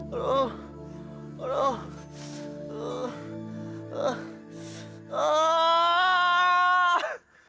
aduh tuan hampir udah sadar